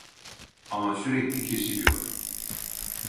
Ama sürekli kesiliyor